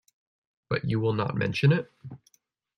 But you will not mention it?